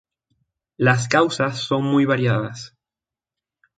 Las causas son muy variadas.